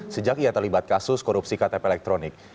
sejak ia terlibat kasus korupsi ktp elektronik